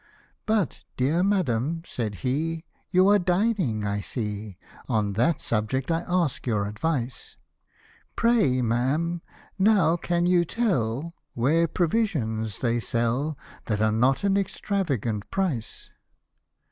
" But, dear madam," said he, " you are dining, I see, On that subject I'd ask your advice : Pray, ma'am, now can you tell, where provisions they sell, That are not an extravagant price.